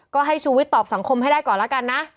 ก็ให้ชูวิทยตอบสังคมให้ได้ก่อนแล้วกันนะ